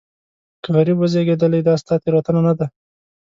که غریب وزېږېدلې دا ستا تېروتنه نه ده.